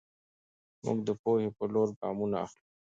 موږ د پوهې په لور ګامونه اخلو.